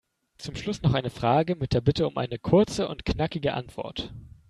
Zum Schluss noch eine Frage mit der Bitte um eine kurze und knackige Antwort.